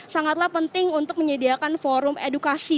sangatlah penting untuk menyediakan forum edukasi